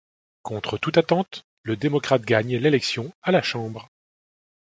Contre toute attente, le démocrate gagne l'élection à la chambre.